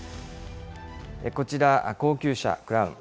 こちら、高級車、クラウン。